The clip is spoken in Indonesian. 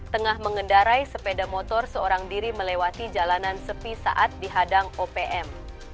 tengah mengendarai sepeda motor seorang diri melewati jalanan sepi saat dihadang opm